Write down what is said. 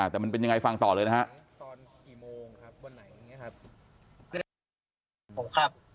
แต่มันเป็นยังไงฟังต่อเลยนะฮะ